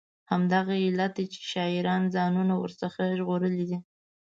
همدغه علت دی چې شاعرانو ځانونه ور څخه ژغورلي دي.